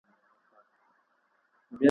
تاسي کله د پښتو په اړه خپله وینا وړاندې کړه؟